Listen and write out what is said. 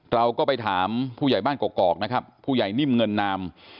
เราก็ไปถามผู้ใหญ่บ้านกอกนะครับผู้ใหญ่นิ่มเงินนาม